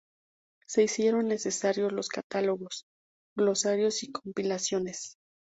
Se hicieron necesarios los catálogos, glosarios y compilaciones.